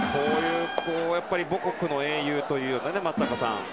母国の英雄というのは、松坂さん